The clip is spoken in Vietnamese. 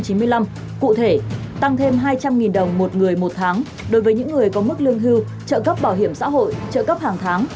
cụ thể tăng thêm hai trăm linh đồng một người một tháng đối với những người có mức lương hưu trợ cấp bảo hiểm xã hội trợ cấp hàng tháng